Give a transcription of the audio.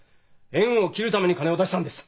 縁を切るために金を出したんです！